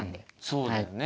そうだよね。